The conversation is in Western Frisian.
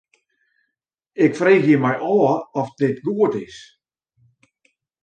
Ik freegje my ôf oft dit goed is.